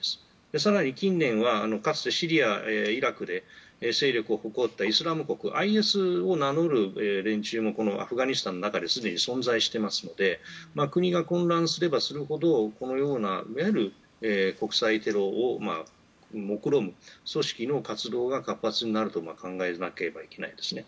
更に近年はかつてシリア、イラクで勢力を誇ったイスラム国・ＩＳを名乗る連中もこのアフガニスタンの中ですでに存在していますので国が混乱すればするほどこのようないわゆる国際テロをもくろむ組織の活動が活発になるのは考えなければいけないですね。